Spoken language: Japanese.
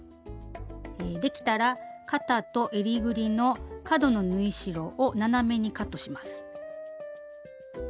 できたら肩とえりぐりの角の縫い代を斜めにカットします。